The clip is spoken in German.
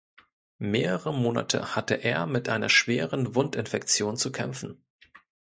Mehrere Monate hatte er mit einer schweren Wundinfektion zu kämpfen.